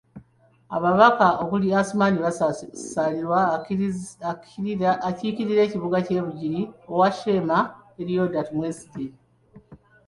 Ababaka okuli Asuman Basalirwa akiikirira ekibuga ky'e Bugiri, owa Sheema, Elioda Tumwesigye.